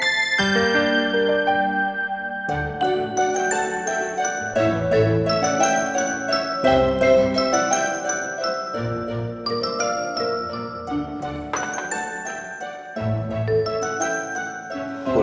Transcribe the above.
program penutup shah prakol